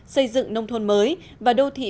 xây dựng nông thôn mới và đô thị